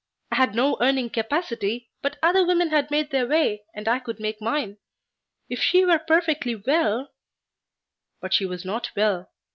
I had no earning capacity, but other women had made their way, and I could make mine. If she were perfectly well But she was not well.